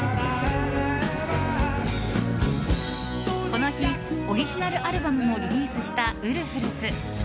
この日、オリジナルアルバムもリリースしたウルフルズ。